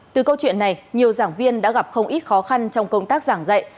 từ câu chuyện này nhiều giảng viên đã gặp không ít khó khăn trong công tác giảng dạy